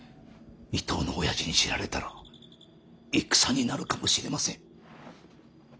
伊東のおやじに知られたら戦になるかもしれません。